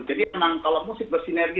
jadi memang kalau musik bersinergi